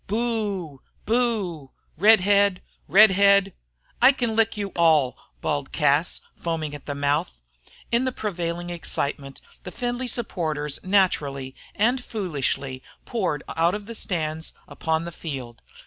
"Boo! Boo! Redhead! Redhead!" "I can lick you all," bawled Cas, foaming at the mouth. In the prevailing excitement the Findlay supporters naturally and foolishly poured out of the stands upon the field.